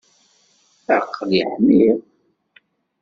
Aql-i ḥmiɣ.